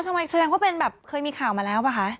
แสดงว่าเป็นแบบเคยมีข่าวมาแล้วป่ะคะ